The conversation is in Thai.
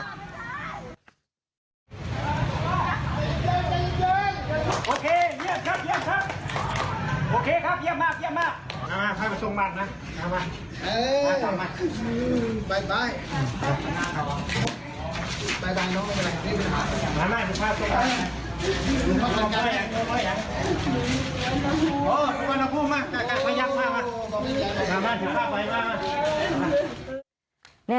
สุวรรณภูมิมามามา